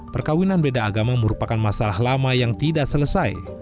perkawinan beda agama merupakan masalah lama yang tidak selesai